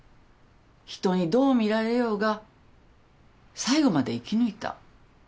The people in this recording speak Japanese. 人にどう見られようが最後まで生き抜いた。